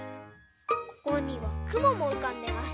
ここにはくももうかんでます。